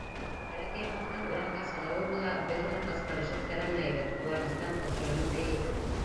Бәләкәй Муктың урамға сығыуы була, беҙ уны ҡысҡырышып сәләмләйбеҙ, ҡыуаныстан ҡотороноп бейейбеҙ.